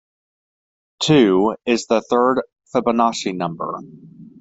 Two is the third Fibonacci number.